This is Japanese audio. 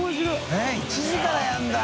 えっ１時からやるんだ。